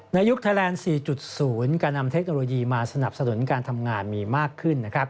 ยุคไทยแลนด์๔๐การนำเทคโนโลยีมาสนับสนุนการทำงานมีมากขึ้น